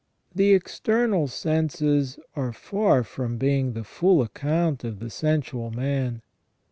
The external senses are far from being the full account of the sensual man.